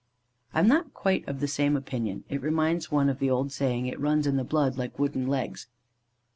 I am not quite of the same opinion. It reminds one of the old saying, "It runs in the blood, like wooden legs."